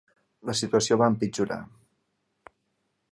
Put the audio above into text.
La situació va empitjorar.